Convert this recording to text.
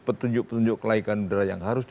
petunjuk petunjuk kelaikan udara yang harus